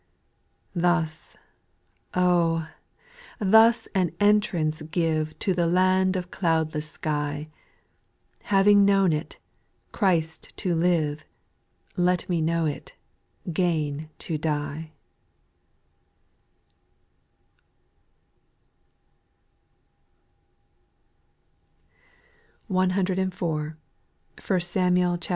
6. Thus, oh ! thus an entrance give To the land of cloudless sky ; Having known it Chriat to live," Let me know it " gain to die/' 1 04. 1 Samuel iii.